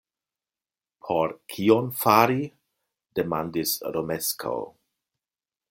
Por kion fari? demandis Romeskaŭ.